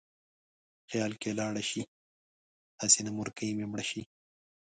خیال کې لاړ شې: هسې نه مورکۍ مې مړه شي